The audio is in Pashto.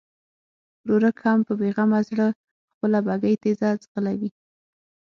ورورک هم په بېغمه زړه خپله بګۍ تېزه ځغلوي.